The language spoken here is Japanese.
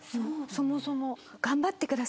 そもそも。